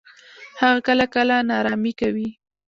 هغه کله کله ناړامي کوي.